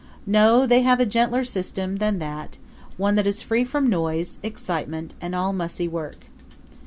No; they have a gentler system than that, one that is free from noise, excitement and all mussy work.